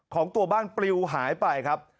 ของตัวบ้านปลิวหายไปครับ